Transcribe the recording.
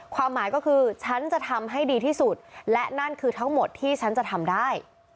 ความหมายก็คือฉันจะทำให้ดีที่สุดและนั่นคือทั้งหมดที่ฉันจะทำได้